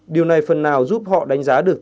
điều này phần nào giúp họ đánh giá được